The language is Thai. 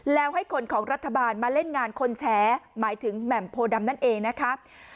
แล้วให้คนของรัฐบาลมาเล่นงานคนแชร์หมายถึงแหม่มโพดำนั่นเองนะคะ